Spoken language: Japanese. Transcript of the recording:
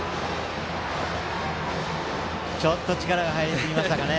ちょっと力が入りましたかね。